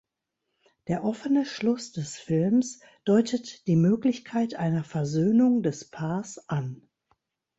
Der offene Schluss des Films deutet die Möglichkeit einer Versöhnung des Paars an.